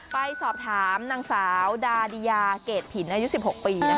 ไปสอบถามนางสาวดาดิยาเกรดผินอายุ๑๖ปี